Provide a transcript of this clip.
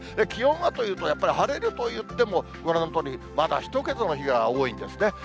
気温はというと、やっぱり、晴れるといっても、ご覧のとおり、まだ１桁の日が多いんですね。